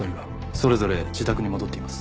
それぞれ自宅に戻っています。